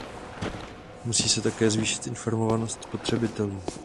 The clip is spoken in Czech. Musí se také zvýšit informovanost spotřebitelů.